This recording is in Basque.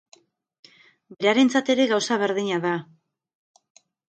Berarentzat ere gauza berdina da.